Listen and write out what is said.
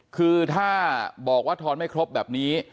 คือถ้าบอกว่าทอนไม่ครบแบบนี้